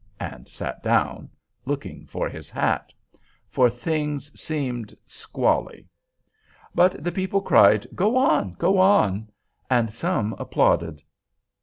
and sat down, looking for his hat; for things seemed squally. But the people cried, "Go on! go on!" and some applauded.